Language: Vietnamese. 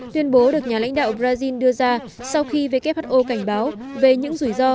tuyên bố được nhà lãnh đạo brazil đưa ra sau khi who cảnh báo về những rủi ro